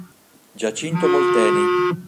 Giacinto Molteni